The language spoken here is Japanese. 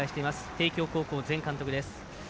帝京高校前監督です。